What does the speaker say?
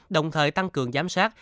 đồng thời tăng cường giám sát